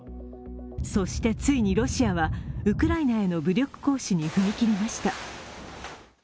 そしてついにロシアはウクライナへの武力行使に踏み切りました。